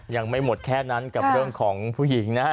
ยังไม่หมดแค่นั้นกับเรื่องของผู้หญิงนะฮะ